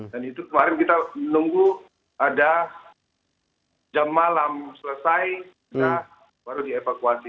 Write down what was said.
dan itu kemarin kita menunggu ada jam malam selesai kita baru dievakuasi